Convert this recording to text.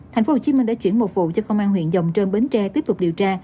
thành phố hồ chí minh đã chuyển một vụ cho công an huyện dòng trơm bến tre tiếp tục điều tra